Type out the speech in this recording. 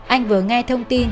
anh vừa nghe thông tin